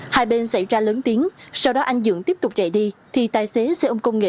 hai bên xảy ra lớn tiếng sau đó anh dưỡng tiếp tục chạy đi thì tài xế xe ôm công nghệ